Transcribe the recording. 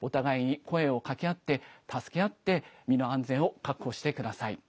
お互いに声をかけ合って助け合って身の安全を確保してください。